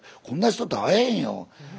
こんな人と会えへんよ。